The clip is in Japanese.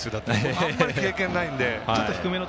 あんまり経験がないので。